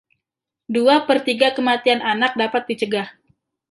Dua per tiga kematian anak dapat dicegah.